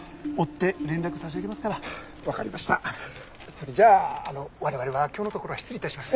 それじゃあ我々は今日のところは失礼致します。